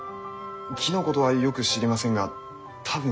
木のことはよく知りませんが多分そうでしょうね。